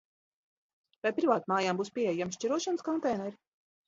Vai privātmājām būs pieejami šķirošanas konteineri?